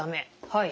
はい。